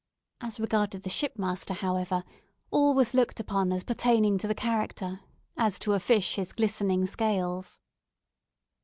As regarded the shipmaster, however, all was looked upon as pertaining to the character, as to a fish his glistening scales.